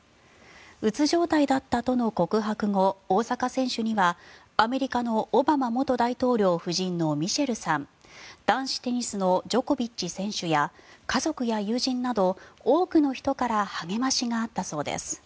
うつ状態だったとの告白後大坂選手にはアメリカのオバマ元大統領夫人のミシェルさん男子テニスのジョコビッチ選手や家族や友人など多くの人から励ましがあったそうです。